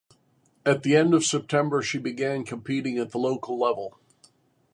At the end of September, she began competing at the local level.